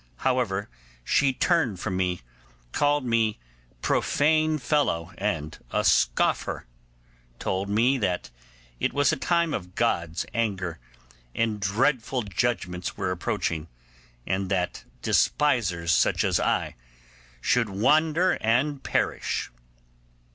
However, she turned from me, called me profane fellow, and a scoffer; told me that it was a time of God's anger, and dreadful judgements were approaching, and that despisers such as I should wander and perish.